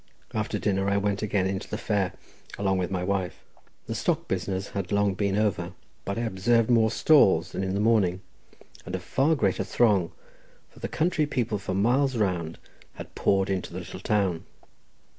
After dinner I went again into the fair along with my wife; the stock business had long been over, but I observed more stalls than in the morning, and a far greater throng, for the country people for miles round had poured into the little town.